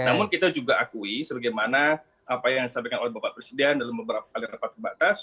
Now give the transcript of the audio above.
namun kita juga akui sebagaimana apa yang disampaikan oleh bapak presiden dalam beberapa kali rapat terbatas